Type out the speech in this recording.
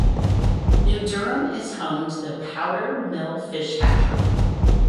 New Durham is home to the Powder Mill Fish Hatchery.